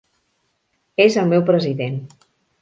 És el meu president.